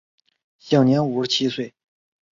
享年五十七岁。